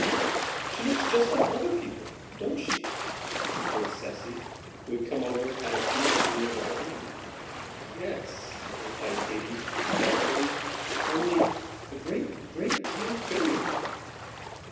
"She looks just like other people, don't she?" whispered Cecy, who had come over to have a peep at the new arrival. "Y e s," replied Katy, doubtfully, "only a great, great deal prettier."